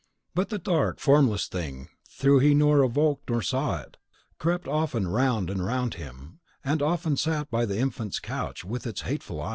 But the dark, formless thing, though he nor invoked nor saw it, crept, often, round and round him, and often sat by the infant's couch, with its hateful eyes.